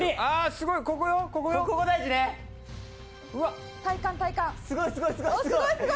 すごいすごいすごい！